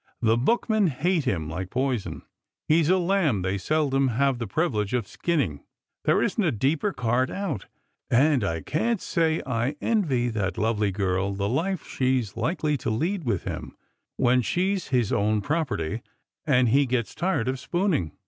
The bookmen hate him like poison. He's a lamb they seldom have the privilege of skinning. There isn't a deeper card out ; and I can't say I envy that lovely girl the life she's likely to lead with him, when she's his own property and he gets tired of spooning.